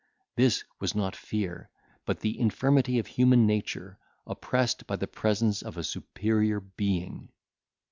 This was not fear, but the infirmity of human nature, oppressed by the presence of a superior being.